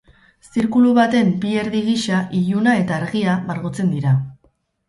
Zirkulu baten bi erdi gisa, iluna eta argia, margotzen dira.